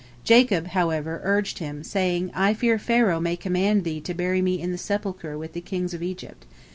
Jacob, however, urged him, saying: "I fear Pharaoh may command thee to bury me in the sepulchre with the kings of Egypt.